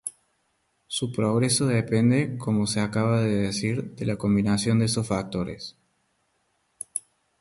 Su progreso depende, como se acaba de decir, de la combinación de esos factores.